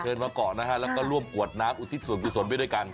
มาเกาะนะฮะแล้วก็ร่วมกวดน้ำอุทิศส่วนกุศลไปด้วยกัน